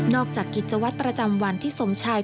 นอกจากกิจวัตรประจำวันที่สมชาย